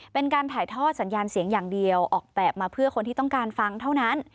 เป็นการถ่ายทอดสัญญาณเสียงอย่างเดียวออกแบบมาเพื่อคนที่ต้องการฟังเท่านั้น